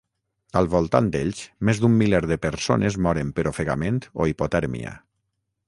Al voltant d'ells, més d'un miler de persones moren per ofegament o hipotèrmia.